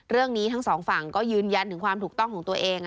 เรื่องนี้ทั้งสองฝั่งก็ยืนยันถึงความถูกต้องของตัวเอง